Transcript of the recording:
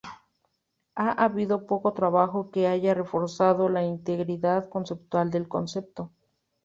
Ha habido poco trabajo que haya reforzado la integridad conceptual del concepto.